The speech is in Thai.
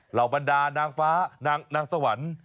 เหล่าบรรดานางฟ้านางสวรรค์